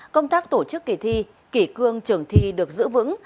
công tác tổ chức kỳ thi kỷ cương trường thi được giữ vững